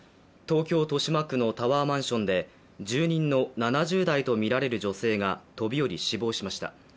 東京・豊島区のタワーマンションで住人の７０代とみられる女性が飛び降り、死亡しました。